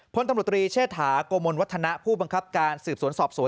พลตำรวจตรีเชษฐาโกมลวัฒนะผู้บังคับการสืบสวนสอบสวน